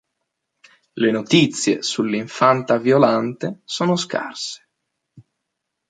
Le notizie sull'infanta Violante sono scarse.